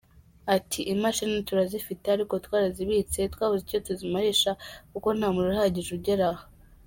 Ati ”Imashini turazifite ariko twarazibitse twabuze icyo tuzimarisha kuko nta muriro uhagije ugera aha.